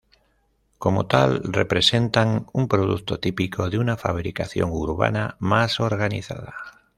Como tal, representan un producto típico de una fabricación urbana más organizada.